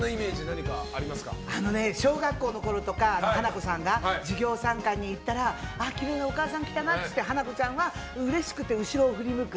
華子さんが小学校のころとか授業参観に行ったらきれいなお母さん来たなって華子ちゃんはうれしくて後ろを振り向く。